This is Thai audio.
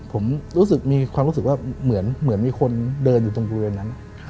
ผมรู้สึกมีความรู้สึกว่าเหมือนมีคนเดินอยู่ตรงบริเวณนั้น